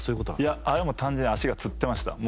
いや、あれはもう完全に足がつってました。